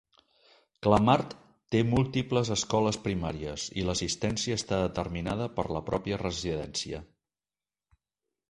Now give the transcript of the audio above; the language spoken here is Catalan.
Clamart té múltiples escoles primàries, i l'assistència està determinada per la pròpia residència.